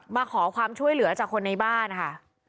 มาขอความช่วยเหลือจากคนในบ้านค่ะ